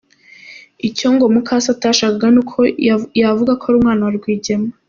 Icyo ngo mukase atashakaga ni uko yavuga ko ari umwana wa Rwigema.